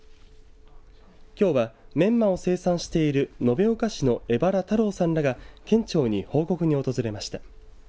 きょうはメンマを生産している延岡市の江原太郎さんらが県庁に報告に訪れました。